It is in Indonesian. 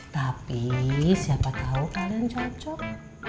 tapi siapa tahu kalian cocok